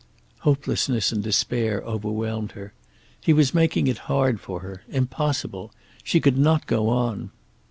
Hopelessness and despair overwhelmed her. He was making it hard for her. Impossible. She could not go on.